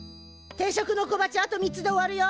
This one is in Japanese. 定食の小鉢あと３つで終わるよ！